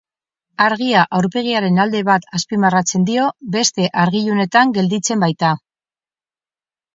Argia aurpegiaren alde bat azpimarratzen dio, beste argi-ilunetan gelditzen baita.